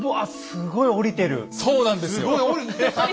すごい坂を下りてるね。